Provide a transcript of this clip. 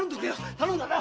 頼んだぜ！